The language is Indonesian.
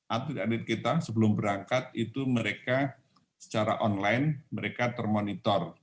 atlet atlet kita sebelum berangkat itu mereka secara online mereka termonitor